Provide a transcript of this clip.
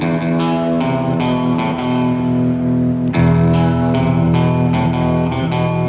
bukan saya pecat